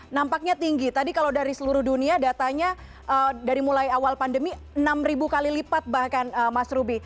nampaknya tinggi tadi kalau dari seluruh dunia datanya dari mulai awal pandemi enam kali lipat bahkan mas ruby